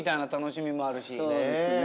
そうですね。